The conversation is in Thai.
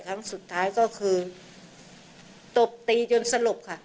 ครั้งสุดท้ายก็คือตบตีจนสลบค่ะ